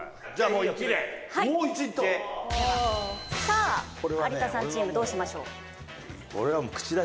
さあ有田さんチームどうしましょう？